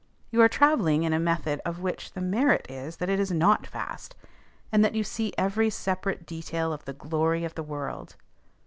You are travelling in a method of which the merit is that it is not fast, and that you see every separate detail of the glory of the world.